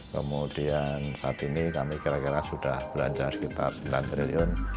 kemudian saat ini kami kira kira sudah belanja sekitar rp sembilan triliun